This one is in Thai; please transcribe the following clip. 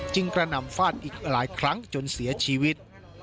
กระหน่ำฟาดอีกหลายครั้งจนเสียชีวิต